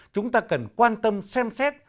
chúng ta cần quan tâm xem xét